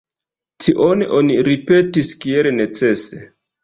Tion oni ripetis kiel necese.